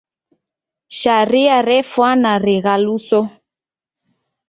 Sharia refwana righaluso.